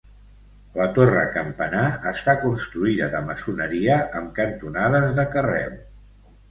La torre campanar està construïda de maçoneria amb cantonades de carreu.